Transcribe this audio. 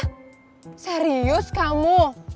hah serius kamu